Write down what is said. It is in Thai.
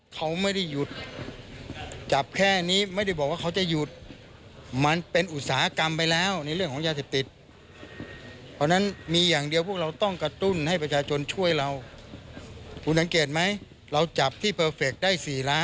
๑๐ล้านที่จะเข้ากรุงเทพฯแล้วที่ยังไม่เข้าอีกล่ะ